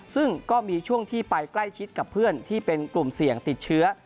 ซึ่งก็มีช่วงที่ไปใกล้ชิดกับเพื่อนที่เป็นกลุ่มเสี่ยงติดเชื้อ